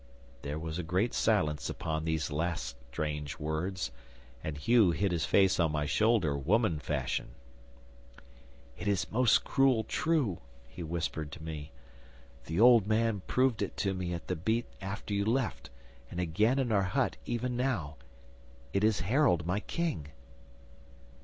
'There was a great silence upon these last strange words, and Hugh hid his face on my shoulder, woman fashion. '"It is most cruel true," he whispered to me. "The old man proved it to me at the beat after you left, and again in our hut even now. It is Harold, my King!"